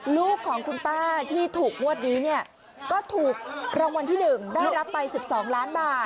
ลูกของคุณป้าที่ถูกงวดนี้เนี่ยก็ถูกรางวัลที่๑ได้รับไป๑๒ล้านบาท